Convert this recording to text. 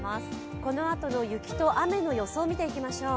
このあとの雪と雨の予想を見ていきましょう。